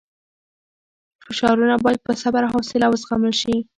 فشارونه باید په صبر او حوصله وزغمل شي.